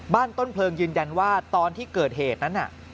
ต้นเพลิงยืนยันว่าตอนที่เกิดเหตุนั้นน่ะ